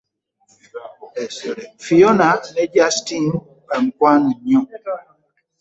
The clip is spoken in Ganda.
Phiona ne Justine bamukwano nnyo.